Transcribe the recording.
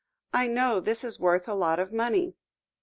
"I KNOW THIS IS WORTH A LOT OF MONEY."